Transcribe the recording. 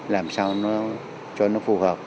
làm sao cho nó phù hợp